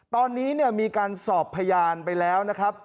ตอนนี้มีการสอบพยานไปแล้ว